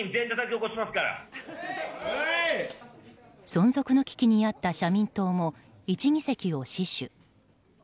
存続の危機にあった社民党も１議席を死守。